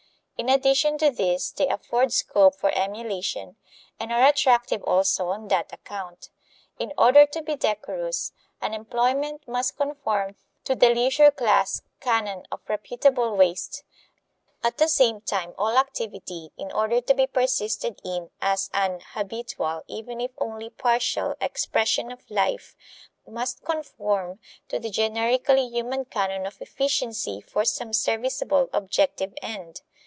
In addition to this they afford scope for emulation, and are attractive also on that account. In order to be decorous, an employment must conform to the leisure class canon of reputable waste; at the same time all activity, in order to be persisted in as an habitual, even if only partial, expression of life, must conform to the generically human canon of efficiency for some serviceable objective end.